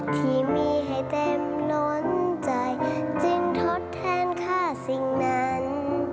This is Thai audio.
ที่มีให้เต็มล้นใจจึงทดแทนค่าสิ่งนั้น